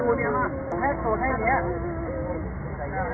วิธีนักศึกษาติธรรมชาติธรรมชาติ